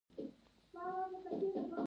یوسف یو هوښیار او کاکه ځوان دی.